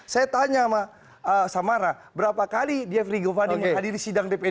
saya tanya sama samara berapa kali jeffrey giovanni menghadiri sidang dpri